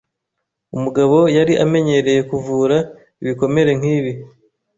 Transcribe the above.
Umugabo yari amenyereye kuvura ibikomere nkibi.